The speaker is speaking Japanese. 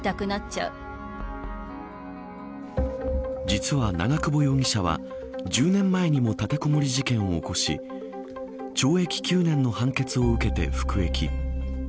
実は、長久保容疑者は１０年前にも立てこもり事件を起こし懲役９年の判決を受けて服役。